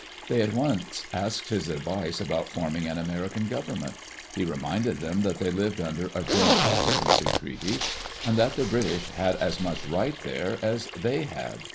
They at once asked his advice about forming an American government. ,He reminded them that they lived under a "joint occupancy" treaty, and that the British had as much right there as they had.